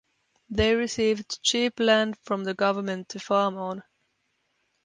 They received cheap land from the government to farm on.